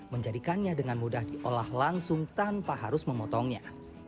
menjadikannya dengan mudah diolah langsung tanpa harus memotongnya